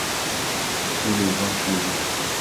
Tous les vingt-huit jours.